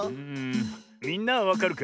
みんなはわかるか？